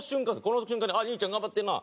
この瞬間に「兄ちゃん頑張ってるな」